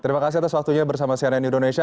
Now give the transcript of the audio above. terima kasih atas waktunya bersama cnn indonesia